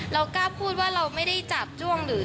เรากล้าพูดว่าเราไม่ได้จับจ้วงหรือ